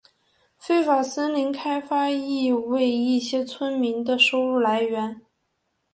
非法森林开发亦为一些村民的收入来源。